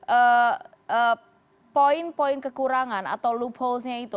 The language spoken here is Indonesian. eh eh poin poin kekurangan atau loopholes nya itu